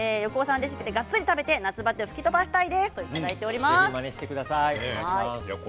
レシピでがっつり食べて夏バテを吹き飛ばしたいですということです。